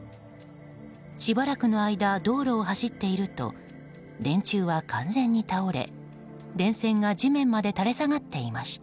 しばらくの間道路を走っていると電柱は完全に倒れ、電線が地面まで垂れ下がっていました。